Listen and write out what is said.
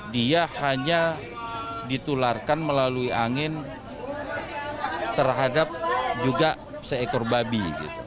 dia hanya ditularkan melalui angin terhadap juga seekor babi